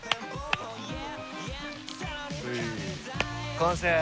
完成。